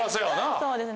そうですね。